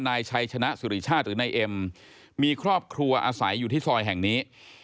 นายชัยชนะสุริชาติหรือนายเอ็มมีครอบครัวอาศัยอยู่ที่ซอยแห่งนี้